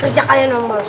kerja kalian nomer